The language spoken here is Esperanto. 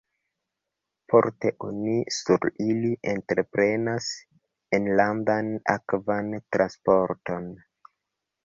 Parte oni sur ili entreprenas enlandan akvan transporton.